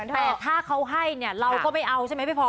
แต่ถ้าเขาให้เนี่ยเราก็ไม่เอาใช่ไหมพี่พอ